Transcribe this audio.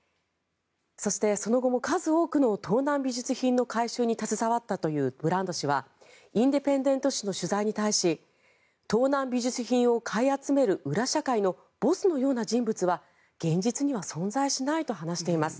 そして、その後も数多くの盗難美術品の回収に携わったというブランド氏はインデペンデント紙の取材に対して盗難美術品を買い集める裏社会のボスのような人物は現実には存在しないと話しています。